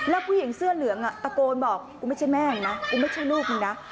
แล้วผู้หญิงเสื้อเหลืองตะโกนบอกกูไม่ใช่แม่มึงนะกูไม่ใช่ลูกมึงนะ